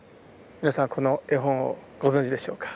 皆さんこの絵本をご存じでしょうか？